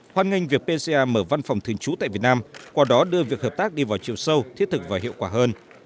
hoan nghênh việc pca mở văn phòng thường trú tại việt nam qua đó đưa việc hợp tác đi vào chiều sâu thiết thực và hiệu quả hơn